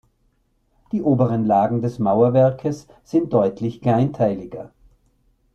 Die oberen Lagen des Mauerwerkes sind deutlich kleinteiliger.